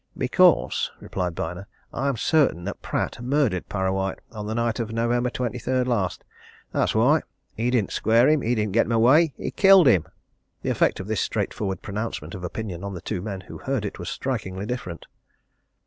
"Because," replied Byner. "I am certain that Pratt murdered Parrawhite on the night of November twenty third last. That's why. He didn't square him. He didn't get him away. He killed him!" The effect of this straightforward pronouncement of opinion on the two men who heard it was strikingly different.